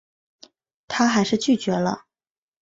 她还是拒绝了